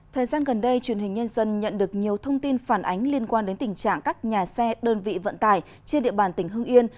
thời gian gần đây truyền hình nhân dân nhận được nhiều thông tin phản ánh liên quan đến tình trạng các nhà xe đơn vị vận tải trên địa bàn tỉnh hưng yên